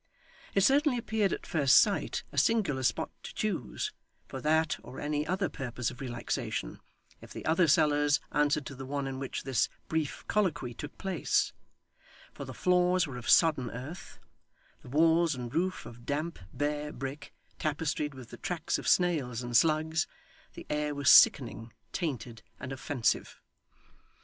It certainly appeared, at first sight, a singular spot to choose, for that or any other purpose of relaxation, if the other cellars answered to the one in which this brief colloquy took place; for the floors were of sodden earth, the walls and roof of damp bare brick tapestried with the tracks of snails and slugs; the air was sickening, tainted, and offensive.